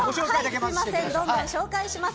すいませんどんどん紹介します。